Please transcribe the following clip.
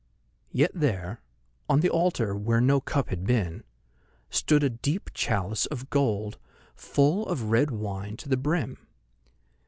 Yet there, on the altar where no cup had been, stood a deep chalice of gold, full of red wine to the brim.